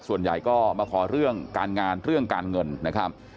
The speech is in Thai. ส่วนใหญ่ก็มาขอเรื่องการงานเรื่องการเงินนะครับ